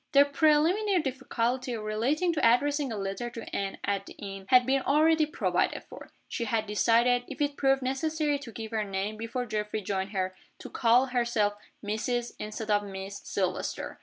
The preliminary difficulty, relating to addressing a letter to Anne at the inn, had been already provided for. She had decided if it proved necessary to give her name, before Geoffrey joined her to call herself Mrs., instead of Miss, Silvester.